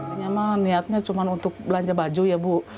ini mah niatnya cuma untuk belanja baju ya bu